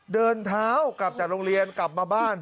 เดินเท้ากลับจากโรงเรียนกลับมาบ้าน